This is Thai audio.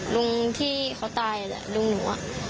ลุงที่เขาตายลุงหนู